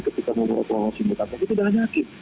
ketika memeluk orang orang yang dikidiki